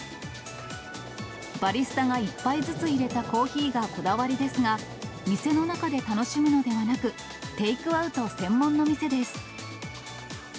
バリスタが１杯ずついれたコーヒーがこだわりですが、店の中で楽しむのではなく、テイクアウト専門の店です。